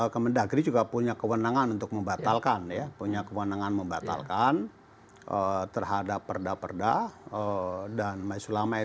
kami akan kembali sesaat lagi tetaplah bersama kami